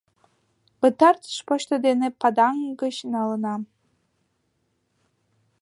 — Пытартыш почто дене Паданг гыч налынам!